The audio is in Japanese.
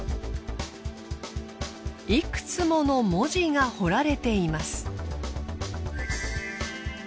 いくつもの文字が彫られています。